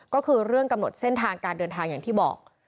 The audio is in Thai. ก็คือเรื่องกำหนดเส้นทางการเดินทางอย่างที่บอก